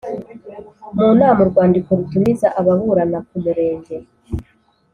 mu nama Urwandiko rutumiza ababurana k’umurenge